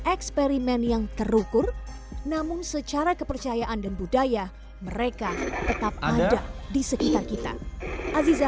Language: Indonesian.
eksperimen yang terukur namun secara kepercayaan dan budaya mereka tetap ada di sekitar kita aziza